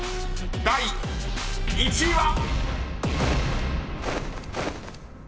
［第１位は］